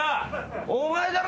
お前だろ？